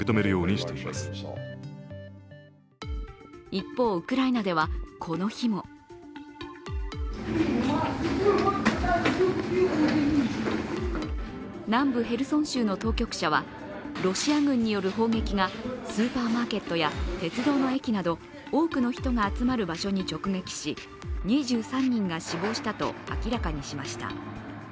一方、ウクライナではこの日も南部ヘルソン州の当局者はロシア軍による砲撃がスーパーマーケットや鉄道の駅など多くの人が集まる場所に直撃し２３人が死亡したと明らかにしました。